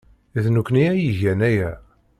D nekkni ay igan aya.